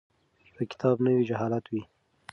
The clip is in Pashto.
که کتاب نه وي جهالت وي.